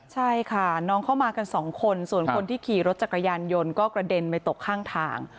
ใช่ค่ะน้องเข้ามากันสองคนส่วนคนที่ขี่รถจักรยานยนต์ก็กระเด็นไปตกข้างทาง